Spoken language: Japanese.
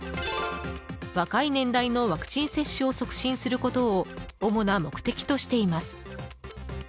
若い年代のワクチン接種を促進することを主な目的としています。